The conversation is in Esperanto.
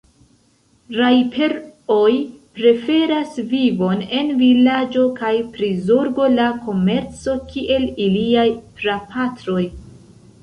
Rajper-oj preferas vivon en vilaĝo kaj prizorgo la komerco kiel iliaj prapatroj.